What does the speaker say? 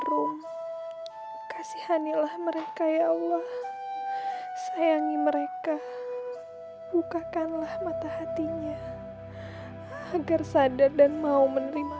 room kasihanilah mereka ya allah sayangi mereka bukakanlah mata hatinya agar sadar dan mau menerima